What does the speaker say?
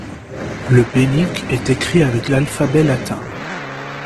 Le bénik est écrit avec l’alphabet latin.